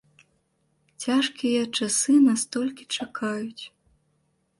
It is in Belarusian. Цяжкія часы нас толькі чакаюць.